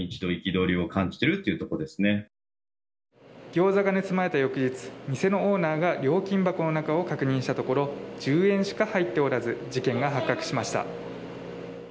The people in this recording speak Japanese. ギョーザが盗まれた翌日店のオーナーが料金箱の中を確認したところ１０円しか入っておらず事件が発覚しました。